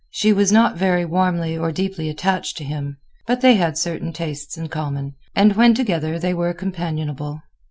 She was not very warmly or deeply attached to him, but they had certain tastes in common, and when together they were companionable.